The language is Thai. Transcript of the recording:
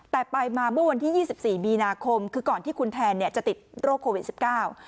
แต่ไปมาเมื่อวันที่ยี่สิบสี่มีนาคมคือก่อนที่คุณแทนเนี่ยจะติดโรคโควิดสิบเก้า